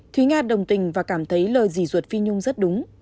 thứ nga đồng tình và cảm thấy lời dì ruột phi nhung rất đúng